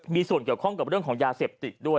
มีส่วนเกี่ยวข้องกับเรื่องของยาเสพติดด้วย